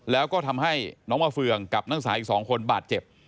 แล้วก็ทำให้น้องมฟวร์กับนางสาวอีก๒คนบาดเจ็บ